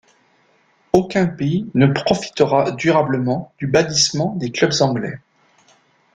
Aucun pays ne profitera durablement du bannissement des clubs anglais.